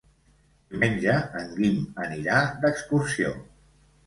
Diumenge en Guim anirà d'excursió.